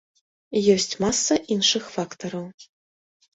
Ёсць маса іншых фактараў.